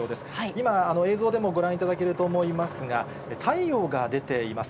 今、映像でもご覧いただけると思いますが、太陽が出ています。